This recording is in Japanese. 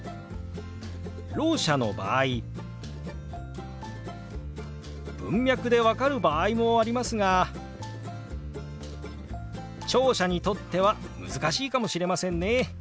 ろう者の場合文脈で分かる場合もありますが聴者にとっては難しいかもしれませんね。